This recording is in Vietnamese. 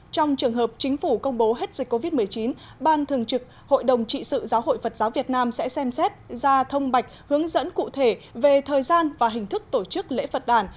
trong trường hợp chính phủ công bố hết dịch covid một mươi chín ban thường trực hội đồng trị sự giáo hội phật giáo việt nam sẽ xem xét ra thông bạch hướng dẫn cụ thể về thời gian và hình thức tổ chức lễ phật đàn